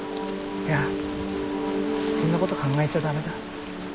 いやそんなこと考えちゃダメだ。